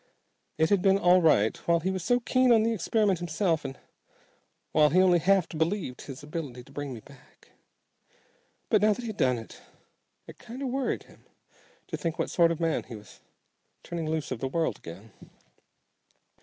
It had been all right while he was so keen on the experiment himself and while he only half believed his ability to bring me back. But now that he'd done it, it kinda worried him to think what sort of a man he was turning loose of the world again.